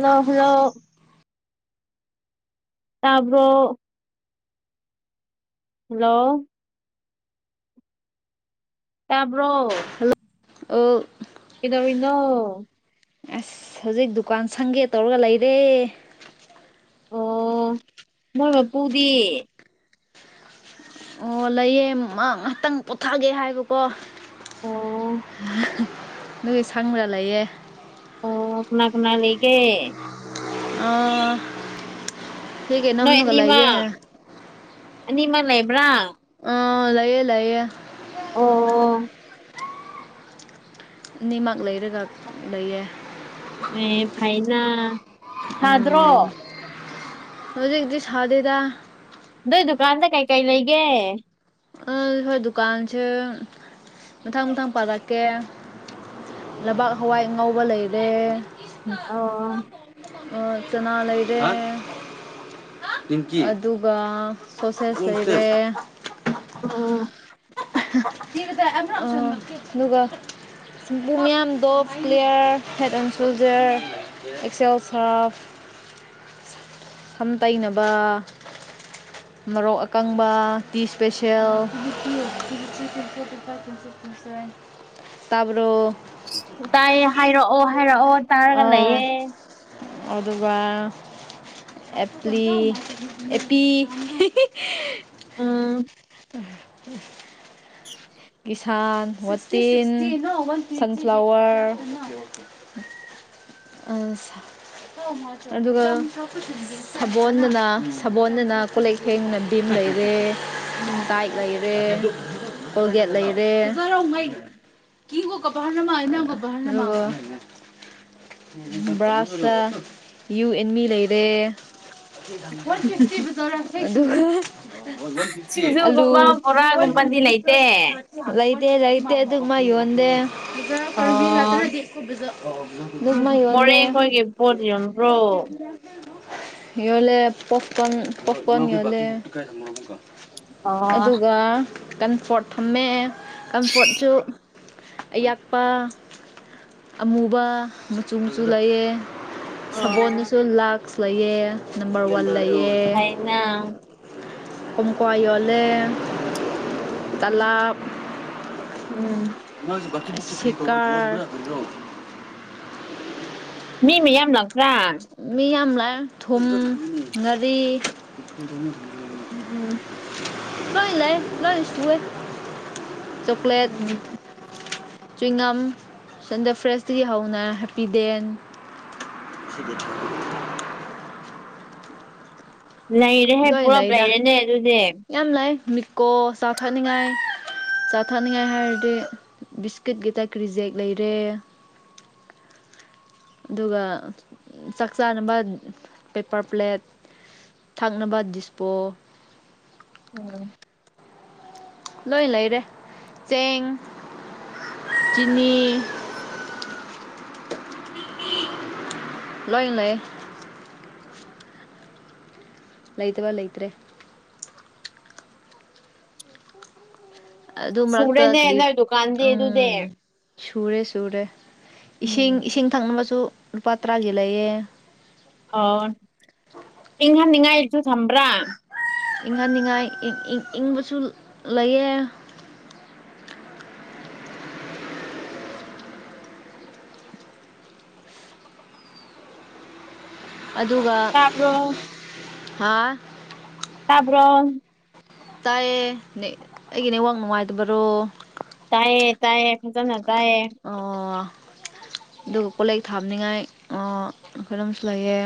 ꯂ ꯍꯅ ꯇꯥꯕ꯭ꯔꯣ ꯍꯜꯂꯣ ꯇꯥꯕ꯭ꯔꯣ ꯑ ꯑꯦꯗꯣ ꯏꯅꯣ ꯑꯁ ꯍꯧꯖꯤꯛ ꯗꯨꯀꯥꯟ ꯁꯪꯒꯦ ꯇꯧꯔꯒ ꯂꯩꯔꯦ ꯑꯣ ꯃꯣꯏ ꯃꯄꯨꯗꯤ ꯑꯣ ꯂꯩꯌꯦꯃ ꯉꯥꯏꯍꯥꯛꯇꯪ ꯄꯣꯊꯥꯒꯦ ꯍꯥꯏꯕꯀꯣ ꯑꯣ ꯅꯣꯏ ꯁꯪꯕ꯭ꯔꯥ ꯂꯩꯌꯦ ꯑꯣ ꯀꯅꯥ ꯀꯅꯥ ꯂꯩꯒꯦ ꯑ ꯍ ꯀꯅ ꯃꯨꯅꯒꯂꯏꯌꯦ ꯍꯥꯏ ꯅꯤꯃ ꯂꯩ ꯂꯩꯕ꯭ꯔꯥ ꯑ ꯂꯑꯌꯦ ꯂꯩꯑꯌꯦ ꯑꯣ ꯑꯣ ꯅꯤꯃꯛ ꯂꯩꯔꯒ ꯂꯩꯌꯦ ꯑꯦ ꯐꯥꯏꯅꯥ ꯎꯝ ꯍꯧꯖꯤꯗꯤ ꯁꯥꯗꯦꯗ ꯅꯣꯏ ꯗꯨꯀꯥꯟꯗ ꯀꯩꯀꯩ ꯂꯩꯒꯦ ꯑ ꯍꯣꯏ ꯗꯨꯀꯥꯟꯁꯦ ꯃꯊꯪ ꯃꯊꯪ ꯄꯥꯔꯛꯀꯦ ꯂꯩꯕꯥꯛ ꯍꯋꯥꯏ ꯉꯥꯎꯧꯕ ꯂꯩꯔꯦ ꯑ ꯑ ꯆꯅꯥ ꯂꯩ ꯏꯗꯦꯅꯦ ꯑꯗꯨꯒ ꯁꯣꯠ ꯁꯦꯠꯁꯁꯦ ꯎꯝ ꯑ ꯑꯗꯨꯒ ꯄ ꯃꯌꯥꯝ ꯗꯣꯞ ꯀ꯭ꯂꯂꯤꯌꯥꯌꯔ ꯍꯦꯠ ꯑꯦꯟ ꯁꯣꯜꯖꯔ ꯑꯦꯛꯁꯦꯜ ꯁꯥꯔꯐ ꯁꯝ ꯇꯩꯅꯕ ꯃꯣꯔꯣꯛ ꯑꯀꯪꯕ ꯇꯤ ꯏꯁꯄꯦꯁꯦꯜ ꯆ ꯇꯄ ꯇꯄ ꯀ ꯀꯁ ꯇꯥꯕ꯭ꯔꯣ ꯇꯥꯏꯌꯦ ꯍꯥꯏꯔꯛꯑꯣ ꯍꯥꯏꯔꯛꯑꯣ ꯇꯥꯔꯒ ꯑ ꯂꯩꯌꯦ ꯑꯗꯨꯒ ꯑꯦꯄꯂꯤ ꯑꯦꯄꯤꯤ ꯎꯝ ꯎꯝ ꯎꯝ ꯀꯤꯁꯥꯟ ꯋꯥꯇꯤꯟ ꯁꯟꯐ꯭ꯂꯋꯔ ꯑ ꯑꯗꯨꯒ ꯁꯥꯜꯗꯅ ꯁꯥꯕꯣꯜꯗꯅ ꯀꯣꯂꯦꯛ ꯍꯦꯡꯅꯕꯤ ꯑꯩꯗꯒꯤ ꯎꯝ ꯇꯥꯏꯠ ꯂꯩꯔꯦ ꯀꯣꯜꯒꯦꯠ ꯂꯩꯔꯦ ꯀ ꯀꯣ ꯀ ꯄꯍꯔꯅ ꯃꯥꯩꯅꯒ ꯄꯅ ꯕ꯭ꯔꯥꯁꯇ ꯌꯨ ꯑꯦꯟꯃꯤ ꯂꯩꯔꯦ ꯑꯗꯨꯒ ꯁꯤꯡꯖꯨꯒꯨꯝꯕ ꯑꯂꯨ ꯕꯣꯔꯥꯒꯨꯝꯕꯗꯤ ꯂꯩꯇꯦ ꯂꯩꯇꯦ ꯂꯩꯇꯦ ꯑꯗꯨꯒ ꯃꯥ ꯌꯣꯟꯗꯦ ꯑꯣ ꯖꯃꯤꯅꯣ ꯅꯃ ꯌ ꯌꯗꯦ ꯄꯣꯌꯝꯝꯕ꯭ꯔꯣ ꯌꯍꯂ ꯄꯣꯞꯀꯟ ꯄꯣꯞꯀꯟ ꯌꯤꯌꯣꯦ ꯑꯣ ꯑꯗꯨꯒ ꯀꯝꯐꯣꯔꯠ ꯊꯝꯃꯦꯦ ꯀꯝꯐꯣꯔꯠꯁꯨ ꯑꯌꯥꯛꯄ ꯑꯃꯨꯕ ꯃꯆꯨ ꯃꯆꯨ ꯂꯩꯌꯦꯦ ꯁꯕꯣꯜꯅꯁꯨ ꯂꯥꯛꯁ ꯂꯩꯌꯦ ꯅꯝꯕꯔ ꯋꯥꯟ ꯂꯩ ꯍꯥꯏꯅ ꯀꯣꯡꯀꯋꯥ ꯏꯍꯦ ꯇꯂꯥꯞ ꯎꯝ ꯁꯤꯀꯥ ꯃꯤ ꯃꯤꯌꯥꯝ ꯂꯪꯦ ꯃꯤ ꯌꯥꯝ ꯂꯥꯛꯑꯦ ꯊꯨꯝ ꯉꯥꯔꯤ ꯎꯝ ꯂꯣꯏ ꯂꯩ ꯂꯣꯏ ꯁꯋꯦ ꯆꯣꯀ꯭ꯂꯦꯠ ꯎꯝ ꯆꯤꯉꯝ ꯁꯟꯗ ꯐ꯭ꯔꯦꯁꯇꯗꯒꯤ ꯍꯧꯅ ꯍꯦꯄꯤ ꯗꯦꯟ ꯁꯤꯕꯤꯗ ꯂꯩꯔꯦꯍꯦ ꯂꯣꯏ ꯄꯨꯂꯞ ꯂꯩꯗ ꯂꯩꯔꯅꯦ ꯑꯗꯨꯗꯤ ꯌꯥꯝ ꯂꯩ ꯃꯤꯀꯣ ꯆ ꯆꯥꯎꯊꯛꯅꯤꯡꯉꯥꯏ ꯆꯥꯊꯛꯅꯤꯡꯉꯥꯏ ꯍꯥꯏꯔꯗꯤ ꯕꯤꯁꯀꯤꯠ ꯇ ꯀ ꯔꯤꯖꯦꯛ ꯂꯩꯔꯦ ꯑꯗꯨꯒ ꯆꯥꯛ ꯆꯥꯅꯕ ꯄꯦꯄꯔ ꯄ꯭ꯂꯦꯠ ꯊꯥꯛꯅꯕ ꯗꯤꯁꯄꯣ ꯎꯝ ꯂꯣꯏ ꯂꯩꯔꯦ ꯆꯦꯡ ꯆꯤꯅꯤ ꯂꯣꯏ ꯂ ꯂꯩꯇꯕ ꯂꯩꯇ꯭ꯔꯦ ꯑꯗꯨ ꯃꯔꯛꯇ ꯁꯨꯔꯦꯅꯦ ꯀ ꯅꯣꯏ ꯗꯨꯀꯥꯟꯗꯤ ꯑꯗꯨꯗꯤ ꯎꯝ ꯁꯨꯔꯦ ꯁꯨꯔꯦ ꯏꯁꯤꯡ ꯎꯝ ꯏꯁꯤꯡ ꯊꯛꯅꯕꯁꯨ ꯂꯨꯄꯥ ꯇꯔꯥꯒꯤ ꯂꯩꯌꯦꯦ ꯑꯣ ꯏꯪꯍꯟꯅꯤꯡꯉꯥꯏꯁꯨ ꯊꯝꯕ꯭ꯔꯥ ꯏꯪꯍꯟꯅꯤꯡꯉꯥꯏ ꯏꯪꯕꯁꯨ ꯂꯩꯌꯦ ꯇꯞ꯭ꯔꯣ ꯍꯥꯥ ꯇꯄꯔꯣ ꯇꯥꯏꯌꯦ ꯑꯩꯒꯤꯅꯦꯋꯥꯛ ꯅꯨꯡꯉꯥꯏꯇꯕꯔꯣ ꯇꯥꯏꯌꯦ ꯇꯥꯏꯌꯦ ꯅ ꯑꯣ ꯑꯗꯨꯒ ꯀꯣꯂꯦꯛ ꯊꯥꯕꯅꯤꯡꯉꯥꯏ ꯀꯣꯏꯩꯅ ꯑꯃꯁꯝꯁꯨ ꯂꯩꯑꯦ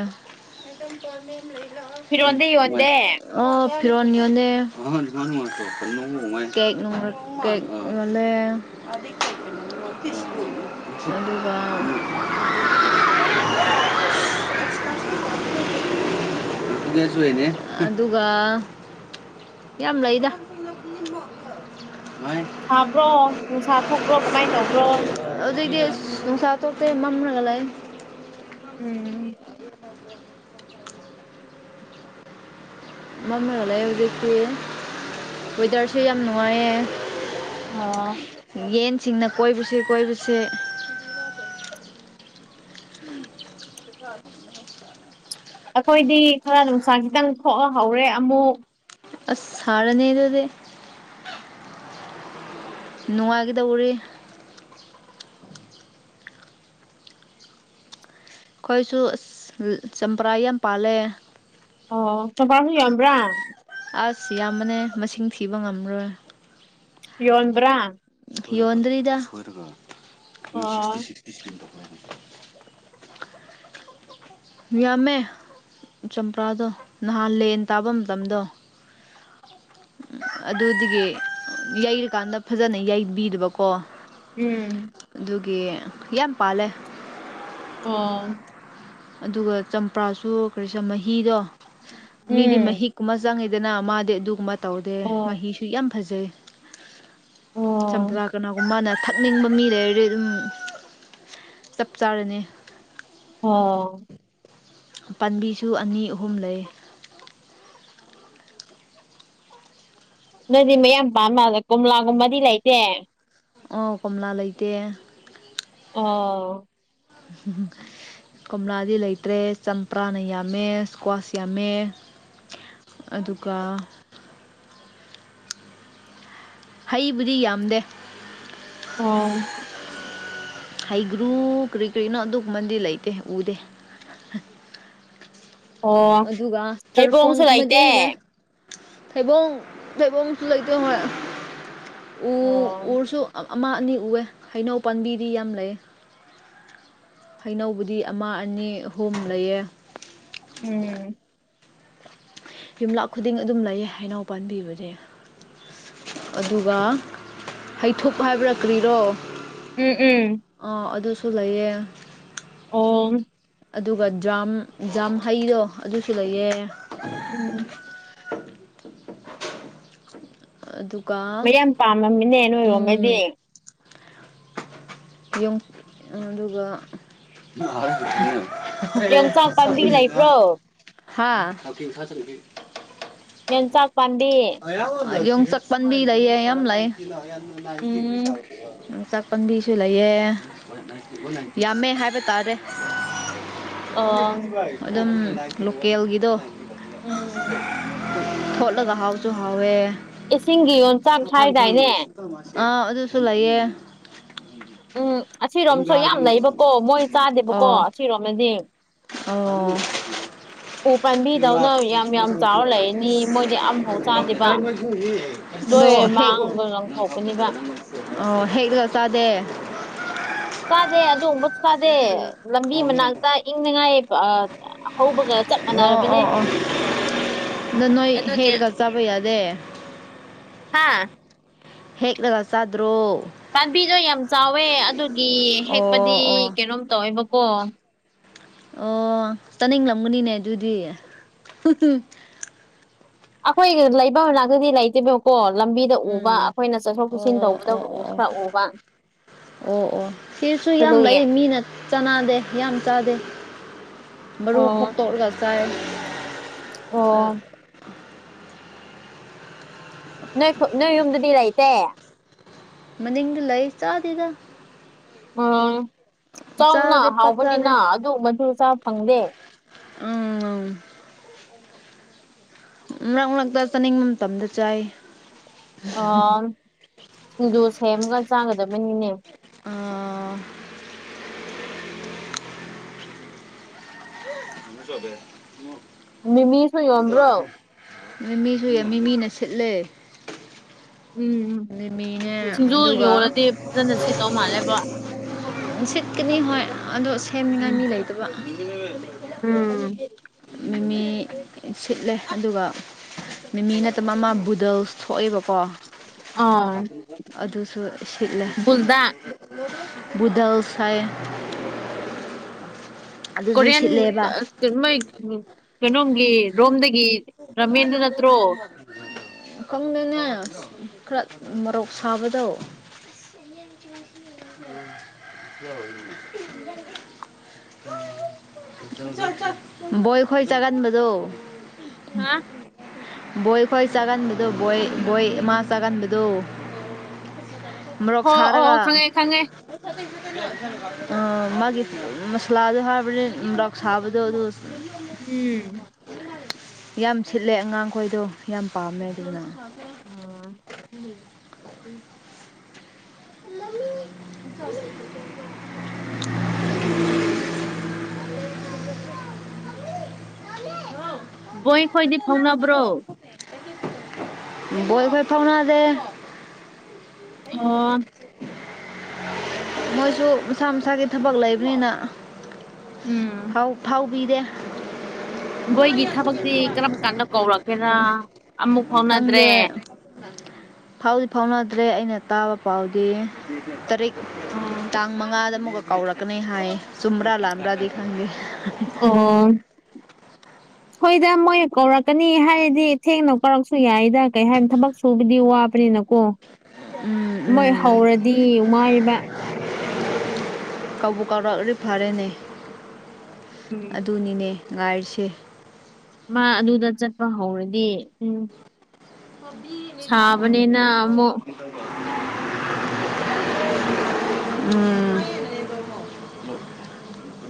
ꯐꯤꯔꯣꯟꯗꯤ ꯌꯣꯟꯗꯦ ꯎꯝ ꯐꯤꯔꯣꯟ ꯌꯣꯜꯂꯦ ꯀ ꯌꯣꯜꯂꯦ ꯑꯗꯨꯒ ꯎꯝ [unintelligible] ꯁꯨꯅꯦ ꯑꯗꯨꯒ ꯌꯥꯝ ꯂꯩꯗ ꯁꯥꯕ꯭ꯔꯣ ꯅꯨꯡꯁꯥ ꯊꯣꯛꯄ꯭ꯔꯣ ꯀꯃꯥꯏꯅ ꯇꯧꯕ꯭ꯔꯣ ꯑꯗꯨꯗꯒꯤꯁ ꯅꯨꯡꯁꯥ ꯊꯣꯛꯣꯛꯇꯦ ꯃꯝꯂꯒ ꯂꯩ ꯎꯝ ꯑꯃꯝ ꯑꯣꯏꯣ ꯂꯩ ꯍꯧꯖꯤꯛꯇꯤ ꯋꯦꯗꯔꯁꯨ ꯌꯥꯝ ꯅꯨꯡꯉꯥꯏꯌꯦ ꯑꯥ ꯌꯦꯟꯁꯤꯡꯅ ꯀꯣꯏꯕꯁꯦ ꯀꯣꯏꯕꯁꯦ ꯅꯅ ꯑꯩꯈꯣꯏꯗꯤ ꯈꯔ ꯅꯨꯡꯁꯥ ꯈꯤꯇꯪ ꯊꯣꯛꯑꯍꯧꯔꯦ ꯑꯃꯨꯛ ꯑ ꯁꯥꯔꯅꯦꯗꯗꯤ ꯅꯨꯡꯉꯥꯏꯈꯤꯗ ꯎꯔꯤ ꯑꯩꯈꯣꯏꯁꯨ ꯑꯁ ꯆꯝꯄꯔꯥ ꯌꯥꯝ ꯄꯥꯜꯂꯦ ꯑꯣ ꯃꯄꯥꯟꯁꯨ ꯌꯣꯟꯝꯕ꯭ꯔꯥ ꯑꯁ ꯌꯥꯝꯕꯅꯦ ꯃꯁꯤꯡ ꯊꯤꯕ ꯉꯝꯔꯣꯏ ꯌꯣꯟꯕ꯭ꯔꯥ ꯌꯣꯟꯗ꯭ꯔꯤꯗ ꯑꯣ ꯇꯧꯈꯠꯂꯛꯏ ꯉꯃꯦ ꯆꯝꯄ꯭ꯔꯥꯗꯣ ꯅꯍꯥꯟ ꯂꯦꯟ ꯇꯥꯕ ꯃꯇꯝꯗꯣ ꯑꯗꯨꯒꯤ ꯌꯩꯔꯀꯥꯟꯗ ꯐꯖꯅ ꯌꯩꯕꯤꯗꯕꯀꯣ ꯎꯝ ꯑꯗꯨꯒꯤ ꯌꯥꯝ ꯄꯥꯜꯂꯦ ꯑꯣ ꯑꯗꯨꯒ ꯆꯝꯄ꯭ꯔꯥꯁꯨ ꯀꯔꯤꯁ ꯃꯍꯤꯗꯣ ꯃꯤꯗꯤ ꯎꯝ ꯃꯍꯤꯛꯀꯨꯝꯕ ꯆꯪꯉꯦ ꯗꯅ ꯑꯃꯗꯤꯗꯤ ꯑꯗꯨꯒꯨꯝꯕ ꯇꯧꯗꯦ ꯑꯣ ꯃꯍꯤꯁꯨ ꯌꯥꯝ ꯐꯖꯩ ꯑꯣ ꯆꯄꯔ ꯀꯅꯥꯒꯨꯝꯃ ꯅ ꯊꯛꯅꯤꯡꯕ ꯃꯤ ꯂꯩꯔꯗꯤ ꯑꯗꯨꯝ ꯆꯞ ꯆꯥꯔꯅꯤ ꯑꯣ ꯄꯥꯝꯕꯤꯁꯨ ꯑꯅꯤ ꯑꯍꯨꯝ ꯂꯩ ꯅꯣꯏꯗꯤ ꯃꯌꯥꯝ ꯄꯥꯝꯃꯦꯂ ꯀꯣꯝꯂꯥꯒꯨꯝꯕꯗꯤ ꯂꯩꯇꯦ ꯑꯣ ꯀꯣꯝꯂꯥ ꯂꯩꯇꯦ ꯑꯣ ꯀꯣꯝꯂꯥꯗꯤ ꯂꯩꯇ꯭ꯔꯦ ꯆꯝꯄ꯭ꯔꯥꯅ ꯌꯥꯝꯃꯦ ꯏꯁꯀ꯭ꯋꯥꯁ ꯌꯥꯝꯃꯦ ꯑꯗꯨꯒ ꯍꯩꯕꯨꯗꯤ ꯌꯥꯝꯗꯦ ꯑꯣ ꯍꯩꯒ꯭ꯔꯨ ꯀꯔꯤ ꯀꯔꯤꯅꯣ ꯑꯗꯨꯒꯨꯝꯕꯗꯤ ꯂꯩꯇꯦ ꯎꯗꯦ ꯑꯣ ꯑꯗꯨꯒ ꯃꯔ ꯊꯩꯕꯣꯡꯁꯨ ꯐꯣꯟꯣꯟ ꯂꯩꯇꯦ ꯃꯗꯤꯂ ꯊꯩꯕꯣꯡ ꯊꯩꯕꯣꯡꯁꯨ ꯂꯩꯇ ꯍꯣꯏ ꯎ ꯑꯣ ꯎꯁꯨ ꯑꯃ ꯑꯅꯤ ꯎꯑꯦ ꯍꯩꯅꯧ ꯄꯥꯝꯕꯤꯗꯤ ꯌꯥꯝ ꯂꯩ ꯍꯩꯅꯧꯕꯕꯨꯗꯤ ꯑꯃ ꯑꯅꯤ ꯑꯍꯣꯨꯝ ꯂꯩꯌꯦ ꯎꯝ ꯌꯨꯝꯂꯥ ꯈꯨꯗꯤꯡ ꯑꯗꯨꯝ ꯂꯩꯌꯦ ꯍꯥꯏꯅ ꯄꯥꯟꯕꯤꯕꯁꯦ ꯑꯗꯨꯒ ꯍꯩꯊꯨꯞ ꯍꯥꯏꯕꯔꯛ ꯀ꯭ꯔꯤꯔꯣ ꯎꯝ ꯎꯝ ꯁ ꯂꯩꯌꯦ ꯑꯣ ꯑꯗꯨꯒ ꯖ꯭ꯔꯥꯝ ꯖ꯭ꯔꯥꯝ ꯍꯩꯗꯣ ꯑꯗꯨꯁꯨ ꯂꯩꯌꯦ ꯎꯝ ꯑꯗꯨ ꯃꯌꯥꯝ ꯄꯥꯝꯃꯝꯃꯤꯅꯦ ꯅꯣꯏꯔꯣꯝꯒꯩꯗꯤ ꯌ ꯑꯗꯨꯒ ꯌꯣꯡꯆꯥꯛ ꯄꯥꯝꯕꯤ ꯂꯩꯕ꯭ꯔꯣ [unintelligible] ꯃꯟ ꯆꯥꯛ ꯄꯝꯕ ꯌꯁꯛꯄꯟꯕꯤ ꯂꯩꯌꯦ ꯌꯥꯝ ꯂꯩ ꯎꯝ ꯄꯥꯝꯕꯤꯁꯨ ꯂꯩꯌꯦ ꯌꯥꯝꯃꯦ ꯍꯥꯏꯕ ꯇꯥꯔꯦ ꯑꯣ ꯑꯗꯨꯝ ꯂꯣꯀꯦꯜꯒꯤꯗꯣ ꯎꯝ ꯊꯣꯠꯂꯒ ꯍꯥꯎꯁꯨ ꯍꯋꯦ ꯏꯁꯤꯡꯒꯤ ꯌꯣꯟꯆꯥꯛ ꯍꯥꯏꯥꯏꯗꯥꯏꯅꯦ ꯑꯥ ꯑꯗꯨꯁꯨ ꯂꯩꯌꯦꯦ ꯎꯝ ꯑꯁꯤꯔꯣꯝꯁꯨ ꯌꯥꯝ ꯂꯩꯕꯀꯣ ꯃꯣꯏ ꯆꯥꯗꯦꯕꯀꯣ ꯑꯣ ꯑꯁꯤꯔꯣꯝꯅꯗꯤ ꯑꯣ ꯎ ꯄꯥꯝꯕꯤꯗꯧꯅ ꯌꯥꯝ ꯌꯥꯝ ꯆꯥꯎꯔ ꯂꯩꯔꯅꯤ ꯃꯣꯏꯗꯤ ꯑꯝꯐꯥꯎ ꯔ ꯆꯥꯗꯦꯕ ꯂꯣꯏ ꯑꯗꯣ ꯍꯦꯛ ꯃꯥꯡꯕ ꯂꯪꯊꯣꯛꯄꯅꯦꯕ ꯑꯣ ꯍꯦꯛ ꯂꯒ ꯆꯥꯗꯦ ꯆꯥꯗꯦ ꯑꯗꯨꯒꯨꯝꯕꯁꯨ ꯆꯥꯗꯦ ꯂꯝꯕꯤ ꯑꯣ ꯃꯅꯥꯛꯇ ꯏꯪꯅꯤꯉꯥꯏ ꯍꯧꯕꯒ ꯆ ꯑꯣ ꯑꯣ ꯑꯣ ꯑꯗ ꯅꯣꯏ ꯍꯦꯛꯂꯒ ꯆꯥꯕ ꯌꯥꯗꯦ ꯍꯥꯥ ꯍꯦꯛꯒ ꯅ ꯀꯜꯁꯗ꯭ꯔꯣ ꯄꯥꯝꯕꯤꯗꯣ ꯌꯥꯝ ꯆꯥꯎꯋꯦ ꯑꯗꯨꯒꯤ ꯑꯣ ꯍꯦꯛꯄꯗꯤ ꯑꯣ ꯀꯩꯅꯣꯝ ꯇꯧꯋꯦꯕꯀꯣ ꯑꯣ ꯆꯥꯅꯤꯡꯂꯝꯒꯅꯤꯅꯦ ꯑꯗꯨꯗꯤ ꯑꯩꯈꯣꯏ ꯂꯩꯐꯝ ꯂꯥꯛꯇꯗꯤ ꯂꯩꯇꯦꯕꯀꯣ ꯂꯝꯕꯤꯗ ꯎꯕ ꯎꯝ ꯑꯩꯈꯣꯏꯅ ꯆꯠꯊꯣꯛ ꯑꯣ ꯆꯠꯁꯤꯟ ꯇꯧꯕꯗ ꯑꯣ ꯑꯣ ꯑꯣ ꯈꯔ ꯎꯕ ꯑꯣ ꯑꯣ ꯁꯤꯁꯨ ꯌꯥꯝ ꯂꯩ ꯑꯗꯨꯒꯤ ꯃꯤꯅ ꯆꯅꯥꯗꯦ ꯌꯥꯝ ꯆꯥꯗꯦ ꯃꯔꯨ ꯑꯣ ꯈꯣꯛꯇꯣꯛꯂꯒ ꯆꯥꯏ ꯑꯣ ꯅꯣꯏ ꯅꯣꯏ ꯌꯨꯝꯗꯗꯤ ꯂꯩꯇꯦ ꯃꯅꯤꯡꯒ ꯂꯩ ꯆꯥꯗꯗ ꯎꯝ ꯆꯥꯎꯅ ꯄꯥꯛ ꯆꯥꯗꯦ ꯍꯥꯎꯕꯅꯤꯅ ꯑꯗꯨ ꯃꯗꯨꯆꯥꯥ ꯐꯪꯗꯦ ꯎꯥ ꯃꯔꯛ ꯃꯔꯛꯇ ꯆꯥꯅꯤꯡꯕ ꯃꯇꯝꯗ ꯆꯥꯏ ꯑ ꯁꯤꯡꯖꯨ ꯁꯦꯝꯃꯒ ꯆꯥꯒꯗꯕꯅꯤꯅꯦ ꯑꯥ ꯊ ꯆꯃꯦꯦ ꯃꯤꯃꯤꯁꯨ ꯌꯣꯟꯕ꯭ꯔꯣ ꯃꯤꯁꯨ ꯌꯥꯝ ꯃꯤꯃꯤꯅ ꯁꯤꯠꯂꯦ ꯎꯝ ꯑꯅꯤꯃꯤꯅꯦ ꯁꯤꯡꯖꯨ ꯑꯗꯨꯒꯒꯥ ꯌꯣꯜꯂꯗꯤ ꯐꯖꯅ ꯁꯤꯠꯇꯧ ꯃꯥꯜꯂꯦꯕꯣ ꯁꯤꯠꯀꯅꯤ ꯍꯣꯏ ꯑꯗꯣ ꯁꯦꯝꯃꯤꯉꯥꯏ ꯎꯝ ꯃꯤ ꯂꯩꯇꯕ ꯎꯝ ꯃꯤꯃꯤ ꯁꯤꯠꯂꯦ ꯑꯗꯨꯒ ꯃꯤꯃꯤ ꯅꯠꯇꯕ ꯃꯃꯥ ꯒꯨꯗꯜꯁ ꯊꯣꯛꯑꯦꯕꯀꯣ ꯑꯥ ꯑꯗꯨꯁꯨ ꯁꯤꯠꯅ ꯕꯨꯜꯗ ꯨꯗꯜ ꯁꯥꯏ ꯀꯣꯔꯤꯌꯥꯟ ꯀꯩꯅꯣꯝꯒꯤ ꯔꯣꯝꯗꯒꯤ ꯔꯥꯃꯦꯟꯗꯅ [inaudible] ꯈꯪꯗꯅꯦ ꯈꯔ ꯃꯔꯣꯛ ꯁꯥꯕꯗꯣ ꯏ ꯆꯨꯁ ꯑꯣꯏ ꯕꯣꯏ ꯈꯣꯏ ꯆꯥꯒꯟꯕꯗꯣ ꯍꯥ ꯕꯣꯏ ꯈꯈꯣꯏ ꯆꯥꯒꯟꯕꯗꯨ ꯕꯣꯏ ꯕꯣꯏ ꯃꯥ ꯆꯥꯒꯟꯕꯗꯨ ꯃꯣꯔꯣꯛ ꯍꯣ ꯑꯣ ꯁꯥꯔꯒ ꯑꯣ ꯈꯪꯉꯦ ꯈꯪꯉꯦ ꯃꯥꯒꯤ ꯃꯁꯂꯥꯗꯣ ꯍꯥꯏꯕꯅꯤ ꯔꯥꯛ ꯁꯥꯕꯗꯣ ꯑꯗꯨ ꯎꯝ ꯌꯥꯝ ꯁꯤꯠꯂꯦ ꯑꯉꯥꯡꯈꯣꯏꯗꯣ ꯌꯥꯝ ꯄꯥꯝꯃꯦ ꯑꯗꯨꯅ ꯑꯥ ꯎꯝ ꯃ ꯍꯥꯎ ꯕꯣꯏꯈꯣꯏꯗꯤ ꯐꯥꯎꯅꯕ꯭ꯔꯣ ꯣꯏꯕꯣꯏ ꯐꯥꯎꯅꯗꯦ ꯑꯣ ꯃꯣꯏꯁꯨ ꯃꯁꯥ ꯃꯁꯥꯒꯤ ꯊꯕꯛ ꯂꯩꯕꯅꯤꯅ ꯍꯥꯎ ꯐꯥꯎꯥꯎ ꯄꯤꯗꯦ ꯃꯣꯏꯒꯤ ꯊꯕꯛꯇꯤ ꯀꯔꯝ ꯀꯥꯟꯗ ꯀꯧꯔꯛꯀꯦꯔ ꯑꯃꯨꯛ ꯈꯪꯗꯦ ꯐꯥꯎꯅꯗ꯭ꯔꯦ ꯐꯥꯎꯗꯤ ꯐꯥꯎꯅꯗ꯭ꯔꯦ ꯑꯩꯅ ꯇꯥꯕ ꯄꯥꯎꯗꯤ ꯇꯔꯛ ꯑꯥ ꯇꯥꯡ ꯃꯉꯥꯗ ꯑꯃꯨꯛꯀ ꯀꯥꯎꯔꯛꯀꯅꯤ ꯍꯥꯏꯌꯦ ꯁꯃꯔꯥ ꯂꯔꯥ ꯈꯥꯡꯒ ꯑꯣ ꯍꯣꯏꯗ ꯃꯣꯏ ꯀꯧꯔꯛꯀꯅꯤ ꯍꯥꯏꯔꯗꯤ ꯊꯦꯡꯅ ꯀꯧꯔꯛꯁꯨ ꯌꯥꯏꯗ ꯀꯩ ꯍꯥꯏꯅꯤ ꯊꯕꯛ ꯁꯨꯕꯗꯤ ꯋꯥꯕꯥ ꯅꯀꯣ ꯎꯝ ꯎꯝ ꯃꯣꯏ ꯍꯧꯔꯗꯤ ꯋꯥꯔꯤꯕ ꯀꯧꯕ ꯀꯧꯔꯛꯔꯤ ꯐꯔꯦꯅꯦ ꯎꯝ ꯑꯗꯨꯅꯤꯅꯦ ꯉꯔꯁ ꯃꯥ ꯑꯗꯨꯗ ꯆꯠꯄ ꯍꯧꯔꯗꯤ ꯎꯝ ꯕꯤꯅꯤꯇ ꯎꯝ ꯁꯥꯕꯅꯤꯅ ꯑꯃꯨꯛ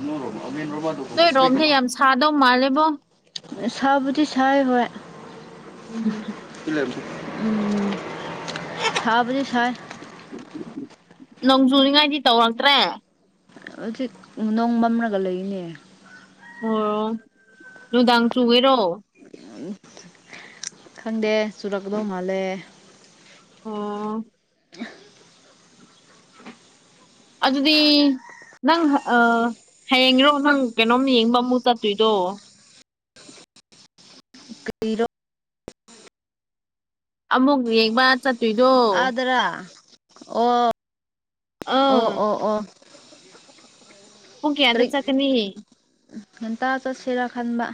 ꯏꯟꯅ ꯔ ꯅꯣꯏ ꯔꯣꯝꯁꯦ ꯌꯥꯝ ꯁꯥꯗꯧ ꯃꯥꯜꯂꯦꯕꯣ ꯁꯥꯎꯕꯗꯤ ꯁꯥꯏ ꯍ ꯎꯝ ꯎꯝ ꯊꯥꯕꯖꯦ ꯁꯑ ꯅꯣꯡꯖꯨꯅꯤꯉꯥꯏꯗꯤ ꯇꯧꯔꯛꯇ꯭ꯔꯦ ꯍꯧꯖꯤꯛ ꯅꯣꯡ ꯃꯝꯂꯒ ꯂꯩꯅꯦ ꯑꯣ ꯅꯨꯡꯗꯥꯡ ꯆꯨꯒꯦꯔꯣ ꯈꯪꯗꯦ ꯆꯨꯔꯛꯀꯗꯧ ꯃꯥꯜꯂꯦ ꯑ [inaudible] ꯑꯗꯨ ꯑꯗꯨꯗꯤ ꯅꯪ ꯍꯌꯦꯡꯔꯣ ꯅꯪ ꯀꯩꯅꯣꯝ ꯌꯦꯡꯕ ꯑꯃꯨꯛ ꯆꯠꯇꯣꯏꯗꯣ ꯀꯔꯣ ꯑꯃꯨꯛ ꯌꯦꯡꯕ ꯆꯠꯇꯣꯏꯗꯣ ꯑꯥꯗꯔꯥ ꯑꯣ ꯑꯣ ꯑꯥ ꯑꯣ ꯑꯣ ꯍꯨꯡ ꯀꯌꯥꯗ ꯇꯔꯤꯛ ꯆꯀꯅꯤ ꯉꯟꯇꯥ ꯆꯠꯁꯤꯔꯥ ꯈꯟꯕ